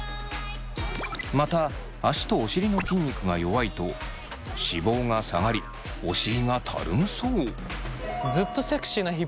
また足とお尻の筋肉が弱いと脂肪が下がりお尻がたるむそう。